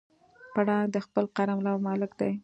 پړانګ د خپل قلمرو مالک دی.